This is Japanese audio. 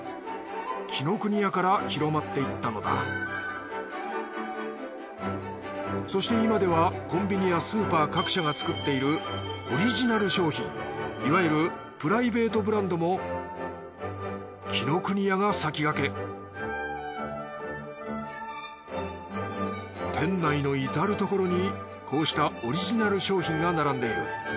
紀ノ国屋から広まっていったのだそして今ではコンビニやスーパー各社が作っているオリジナル商品いわゆるプライベートブランドも紀ノ国屋が先駆け店内の至る所にこうしたオリジナル商品が並んでいる。